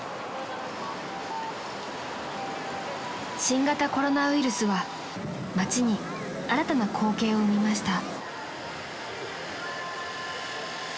［新型コロナウイルスは街に新たな光景を生みました］